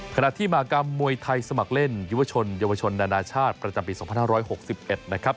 ขณะที่มากรรมมวยไทยสมัครเล่นยุวชนยาวชนนานาชาติประจำปีสองพันห้าร้อยหกสิบเอ็ดนะครับ